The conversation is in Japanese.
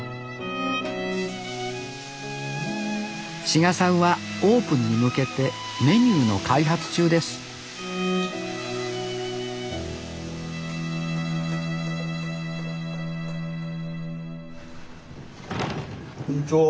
志賀さんはオープンに向けてメニューの開発中です・こんにちは。